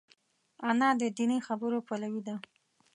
انا د دیني خبرو پلوي ده